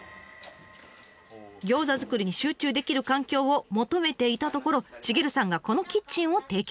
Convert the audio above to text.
餃子作りに集中できる環境を求めていたところシゲルさんがこのキッチンを提供。